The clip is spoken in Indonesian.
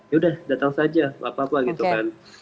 ya udah datang saja gapapa gitu kan